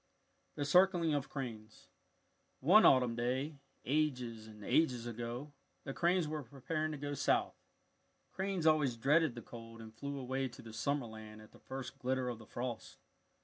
THE CIRCLING OF CRANES One autumn day ages and ages ago, the cranes were preparing to go south. Cranes always dreaded the cold and flew away to the summer land at the first glitter of the frost.